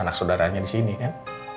anak saudaranya disini kan